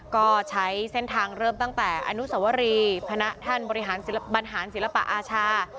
ก็ใช้เส้นทางเริ่มตั้งแต่อนุสวรีคณะท่านบริหารบรรหารศิลปะอาชา